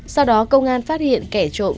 sau đó công an phát hiện kẻ trộm